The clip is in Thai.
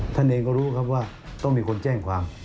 ท่านเองก็รู้ครับว่าต้องมีคนแจ้งความ